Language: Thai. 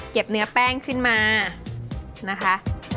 เนื้อแป้งขึ้นมานะคะ